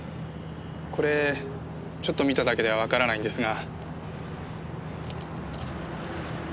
これちょっと見ただけではわからないんですが。